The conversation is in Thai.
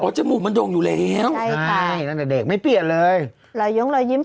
โอ้จมูกมันโดงอยู่แล้วใช่ค่ะตั้งแต่เด็กไม่เปรียบเลยหลายยงหลายยิ้ม